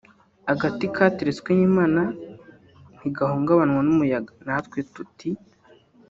"Agati kateretswe n'Imana ntigahungabanywa n'umuyaga" natwe tuti